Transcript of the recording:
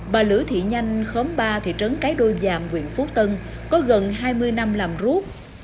bà lữ thị nhanh khóm ba thị trấn cái đôi giàm huyện phú tân có gần hai mươi năm làm rút